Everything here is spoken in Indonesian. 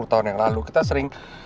dua puluh tahun yang lalu kita sering